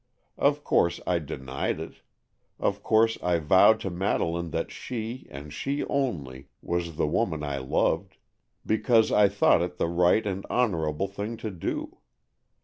Of course I denied it; of course I vowed to Madeleine that she, and she only, was the woman I loved; because I thought it the right and honorable thing to do.